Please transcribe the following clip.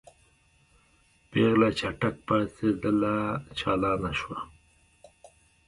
پېغله چټک پاڅېدله چالانه شوه.